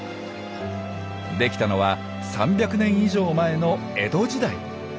出来たのは３００年以上前の江戸時代！